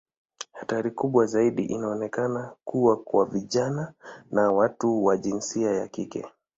Hatari kubwa zaidi inaonekana kuwa kwa vijana na watu wa jinsia ya kike.